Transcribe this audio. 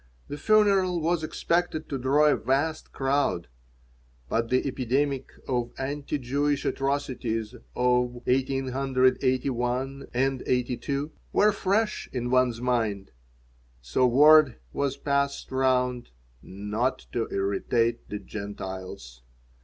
The funeral was expected to draw a vast crowd. But the epidemic of anti Jewish atrocities of 1881 and 1882 were fresh in one's mind, so word was passed round "not to irritate the Gentiles."